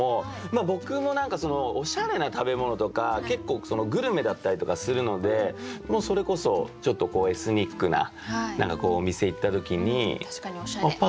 僕もおしゃれな食べ物とか結構グルメだったりとかするのでそれこそちょっとエスニックなお店行った時にあっ！